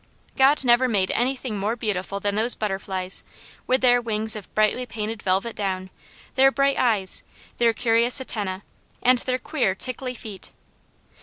God never made anything more beautiful than those butterflies, with their wings of brightly painted velvet down, their bright eyes, their curious antennae, and their queer, tickly feet.